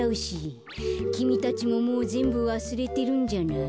きみたちももうぜんぶわすれてるんじゃない？